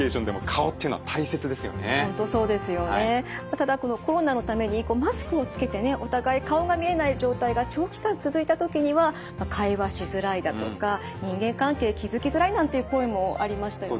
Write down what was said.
ただこのコロナのためにこうマスクをつけてねお互い顔が見えない状態が長期間続いた時には「会話しづらい」だとか「人間関係築きづらい」なんていう声もありましたよね。